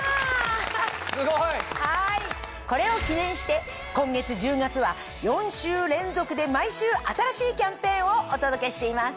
すごい！これを記念して今月１０月は４週連続で毎週新しいキャンペーンをお届けしています。